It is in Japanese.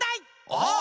あっ！